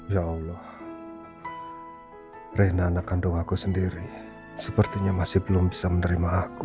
ya allah rena anak kandung aku sendiri sepertinya masih belum bisa menerima aku